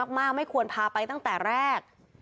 ขอบคุณครับ